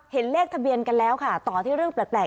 เห็นเลขทะเบียนกันแล้วค่ะต่อที่เรื่องแปลก